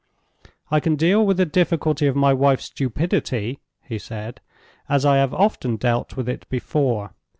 "I can deal with the difficulty of my wife's stupidity," he said, "as I have often dealt with it before.